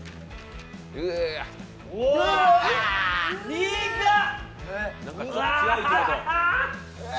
苦っ！